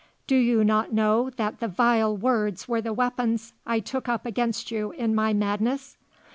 Do you not know that the vile words were the weapons I took up against you in my madness?